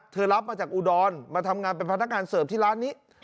รับมาจากอุดรมาทำงานเป็นพนักงานเสิร์ฟที่ร้านนี้